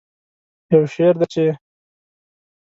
یو شعر دی چې